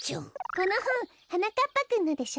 このほんはなかっぱくんのでしょ？